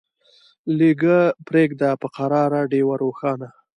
لیږه پریږده په قرار ډېوه روښانه